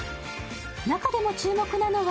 中でも注目なのは